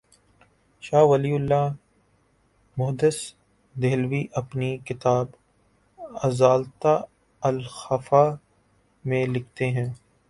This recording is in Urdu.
شاہ ولی اللہ محدث دہلوی اپنی کتاب ”ازالتہ الخفا ء“ میں لکھتے ہیں